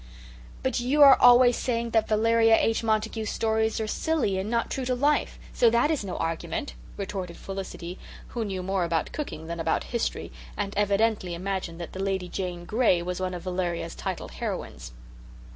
"But you are always saying that Valeria H. Montague's stories are silly and not true to life, so that is no argument," retorted Felicity, who knew more about cooking than about history, and evidently imagined that the Lady Jane Gray was one of Valeria's titled heroines.